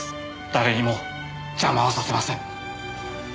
誰にも邪魔はさせません。